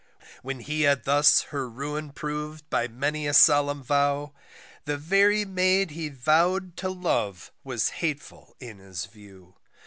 When he had thus her ruin prov'd by many a solemn vow, The very maid he vow'd to love was hateful in his view.